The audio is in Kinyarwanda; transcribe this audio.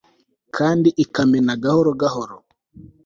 kandi ikamena gahoro gahoro